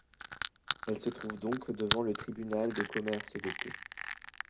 Elle se retrouve donc devant le tribunal de commerce de Pau.